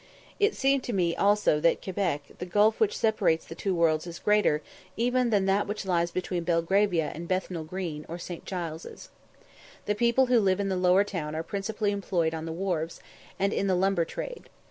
It seemed to me also that at Quebec the gulf which separates the two worlds is greater even than that which lies between Belgravia and Bethnal Green or St. Giles's. The people who live in the lower town are principally employed on the wharfs, and in the lumber trade.